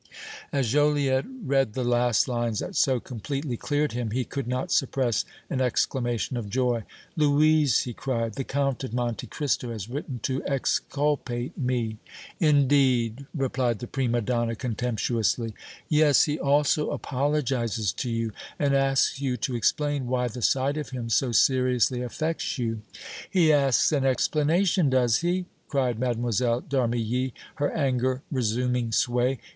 As Joliette read the last lines that so completely cleared him, he could not suppress an exclamation of joy. "Louise," he cried, "the Count of Monte Cristo has written to exculpate me!" "Indeed!" replied the prima donna, contemptuously. "Yes; he also apologizes to you and asks you to explain why the sight of him so seriously affects you." "He asks an explanation, does he?" cried Mlle. d' Armilly, her anger resuming sway.